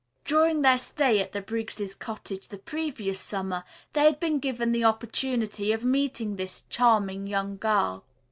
During their stay at the Briggs' cottage the previous summer, they had been given the opportunity of meeting this charming young girl.